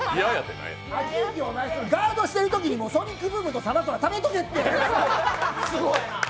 ガードしてるときにソニックブームはためとけって。